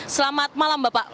selamat malam bapak